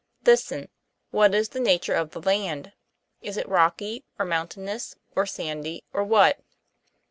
Listen ; what is the nature of the land ? Is it rocky, or mountainous, or sandy, or what?